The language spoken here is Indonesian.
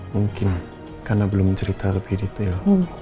mungkin karena belum cerita lebih detail